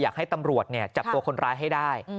อยากให้ตำรวจจับตัวคนร้ายให้ได้